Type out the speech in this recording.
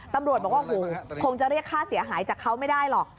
ตำรวจบอกว่าโอ้โหคงจะเรียกค่าเสียหายจากเขาไม่ได้หรอก